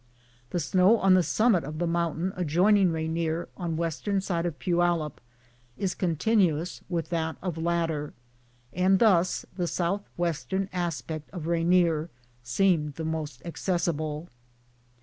The snow on the summit of the mountain adjoining Rainier on western side of Poyallip is con tinuous with that of latter, and thus the S. Western aspect of Rainier seemed the most accessible.